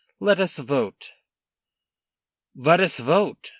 Let us vote." "Let us vote!"